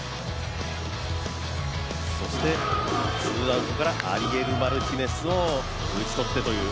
そしてツーアウトからアリエル・マルティネスを打ち取ってという。